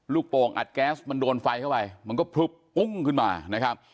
โป่งอัดแก๊สมันโดนไฟเข้าไปมันก็พลึบปุ้งขึ้นมานะครับ